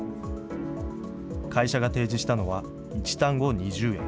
会社が提示したのは、１単語２０円。